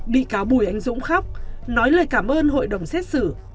bị cáo bùi anh dũng khóc nói lời cảm ơn hội đồng xét xử